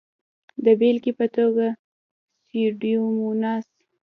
د بېلګې په توګه سیوډوموناس.